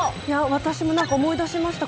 私も何か思い出しました。